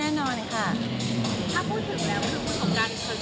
ถ้าพูดถึงแล้วคือคุณสงกรานก็ยังทำหน้าที่